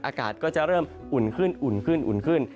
อากาศก็จะเริ่มอุ่นขึ้นขึ้น